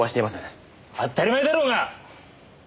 当たり前だろうが！